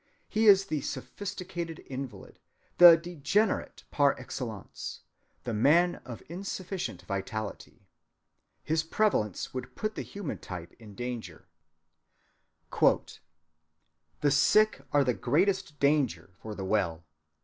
He is the sophisticated invalid, the degenerate par excellence, the man of insufficient vitality. His prevalence would put the human type in danger. "The sick are the greatest danger for the well.